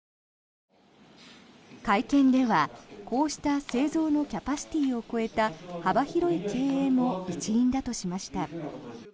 会見ではこうした製造のキャパシティーを超えた幅広い経営も一因だとしました。